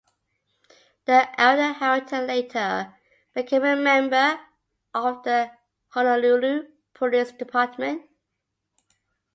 The elder Harrington later became a member of the Honolulu Police Department.